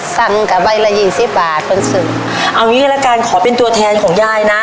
สั่งกับใบละยี่สิบบาทคนซื้อเอางี้ละกันขอเป็นตัวแทนของยายนะ